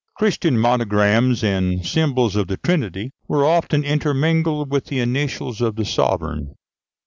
Christian monograms and symbols of the Trinity were often intermingled with the initials of the sovereign.